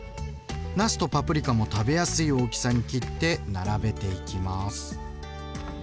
なすとパプリカも食べやすい大きさに切って並べていきます。